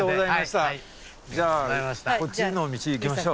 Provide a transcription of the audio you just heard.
じゃあこっちの道行きましょう。